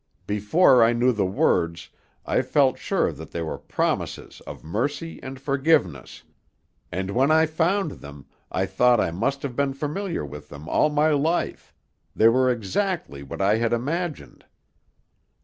Before I knew the words, I felt sure that they were promises of mercy and forgiveness; and when I found them, I thought I must have been familiar with them all my life; they were exactly what I had imagined.